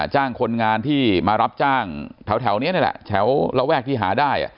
จ้างคนงานที่มารับจ้างแถวนี้นี่แหละแถวระแวกที่หาได้